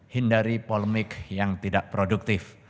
hindari polemik yang tidak produktif